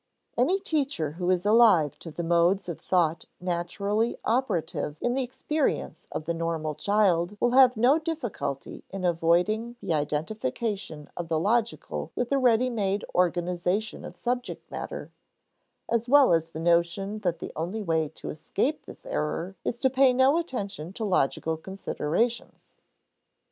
Any teacher who is alive to the modes of thought naturally operative in the experience of the normal child will have no difficulty in avoiding the identification of the logical with a ready made organization of subject matter, as well as the notion that the only way to escape this error is to pay no attention to logical considerations.